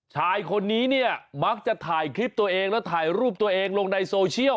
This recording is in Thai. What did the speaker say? ชายคนนี้เนี่ยมักจะถ่ายคลิปตัวเองแล้วถ่ายรูปตัวเองลงในโซเชียล